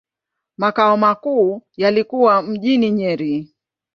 Makao makuu yalikuwa mjini Nyeri.